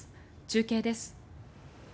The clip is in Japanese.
中継です。